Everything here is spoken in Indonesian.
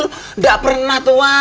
nggak pernah tuan